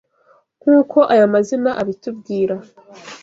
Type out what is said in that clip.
Nk’uko aya mazina abitubwira